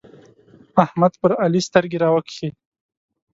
احمد پر علي سترګې راوکښې.